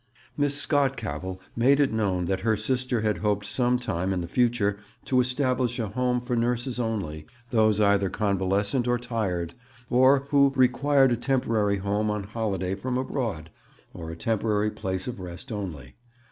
Miss Scott Cavell made it known that her sister had hoped some time in the future to establish a home for nurses only, those either convalescent or tired, or who required a temporary home on holiday from abroad, or a temporary place of rest only.